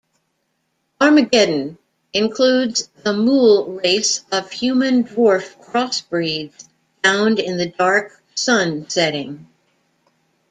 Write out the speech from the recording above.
"Armageddon" includes the mul race of human-dwarf crossbreeds found in the "Dark Sun" setting.